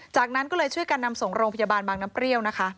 จากนั้นก็เลยช่วยกันนำส่งโรงพยาบาลบางน้ำเปรี้ยวนะคะ